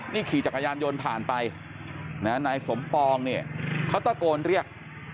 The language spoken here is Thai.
นี่ขี่จักรยานยนต์ผ่านไปนายสมปองเนี่ยเขาตะโกนเรียก